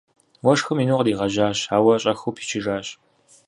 Уэшхым ину къригъэжьащ, ауэ щӏэхыу пичыжащ.